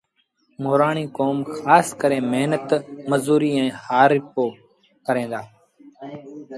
مورآڻيٚ ڪوم کآس ڪري مهنت مزوري ائيٚݩ هآرپو ڪريݩ دآ